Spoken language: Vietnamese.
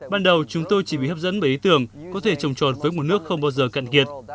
ban đầu chúng tôi chỉ bị hấp dẫn bởi ý tưởng có thể trồng tròn với nguồn nước không bao giờ cạn kiệt